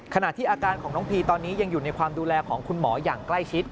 ขณะที่อาการของน้องพีตอนนี้ยังอยู่ในความดูแลของคุณหมออย่างใกล้ชิด